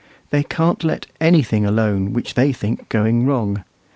They can't let anything alone which they think going wrong.